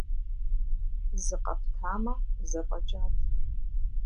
Зыкъэптамэ, зэфӀэкӀат.